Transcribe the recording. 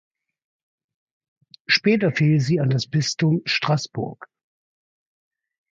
Später fiel sie an das Bistum Straßburg.